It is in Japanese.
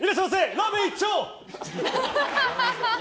ラーメン１丁！